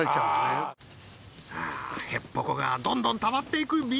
へっぽこがどんどんたまっていくＢ